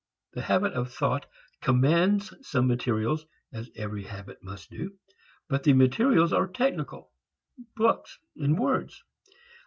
The habit of thought commands some materials (as every habit must do) but the materials are technical, books, words.